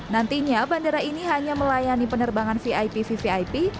nantinya bandara ini hanya melayani penerbangan vip vvip